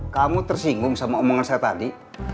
kamu tersinggung sama omongan saya tadi